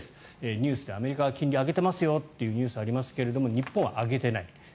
ニュースでアメリカは金利を上げてますよというニュースがありますが日本は上げてない。